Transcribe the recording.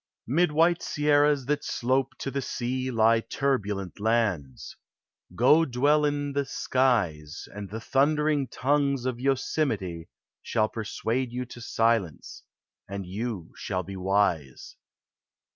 'Mid white Sierras, that slope to the sea, Lie turbulent lands. Go dwell in the skies, And the thundering tongues of Yosemite Shall persuade you to silence, and you shall be wise.